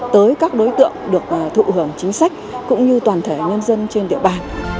tới các đối tượng được thụ hưởng chính sách cũng như toàn thể nhân dân trên địa bàn